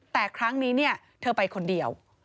แต่ครั้งนี้เธอไปคนเดียว